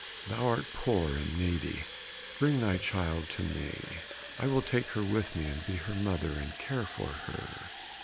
Thou art poor and needy, bring thy child to me, I will take her with me and be her mother, and care for her."